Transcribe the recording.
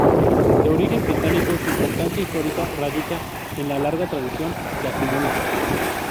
De origen británico, su importancia histórica radica en la larga tradición que acumula.